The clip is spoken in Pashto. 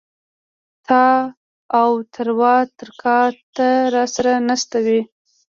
تااو تراو تر کا ته را سر ه ناست وې